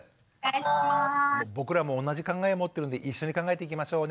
僕らも同じ考え持ってるんで一緒に考えていきましょう。